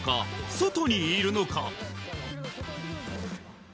そとにいるのか？